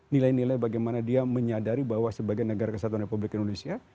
nilai nilai bagaimana dia menyadari bahwa sebagai negara kesatuan republik indonesia